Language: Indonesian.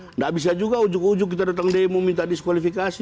tidak bisa juga ujuk ujug kita datang demo minta diskualifikasi